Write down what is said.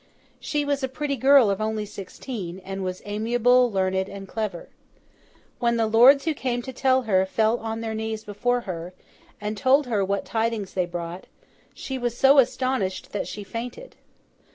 She was a pretty girl of only sixteen, and was amiable, learned, and clever. When the lords who came to her, fell on their knees before her, and told her what tidings they brought, she was so astonished that she fainted.